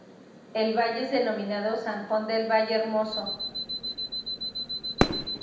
El valle es denominado "Zanjón del Valle Hermoso"".